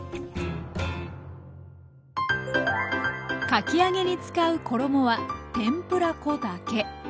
かき揚げに使う衣は天ぷら粉だけ。